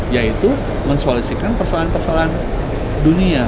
yaitu mensoalisikan persoalan persoalan dunia